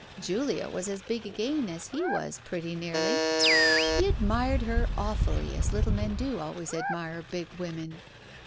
Julia was as big again as he was, pretty nearly. He admired her awfully, as little men do always admire big women."